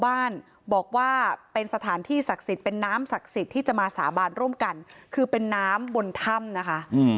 บ้านบอกว่าเป็นสถานที่ศักดิ์สิทธิ์เป็นน้ำศักดิ์สิทธิ์ที่จะมาสาบานร่วมกันคือเป็นน้ำบนถ้ำนะคะ